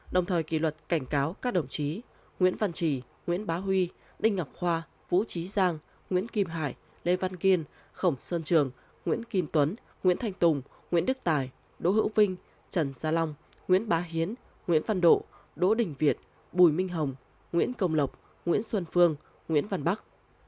đồng thời kỳ luật cảnh cáo các đồng chí nguyễn văn trì nguyễn bá huy đinh ngọc khoa vũ trí giang nguyễn kim hải lê văn kiên khổng sơn trường nguyễn kim tuấn nguyễn thanh tùng nguyễn đức tài đỗ hữu vinh trần gia long nguyễn bá hiến nguyễn văn độ đỗ đình việt bùi minh hồng nguyễn công lộc nguyễn xuân phương nguyễn văn bắc